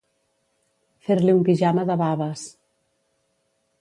Fer-li un pijama de baves.